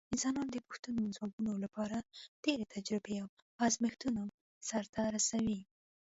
انسانان د پوښتنو ځوابولو لپاره ډېرې تجربې او ازمېښتونه سرته رسوي.